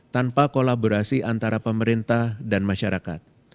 tanpa kolaborasi antara pemerintah dan masyarakat